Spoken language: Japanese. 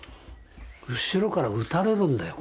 後ろから撃たれるんだよ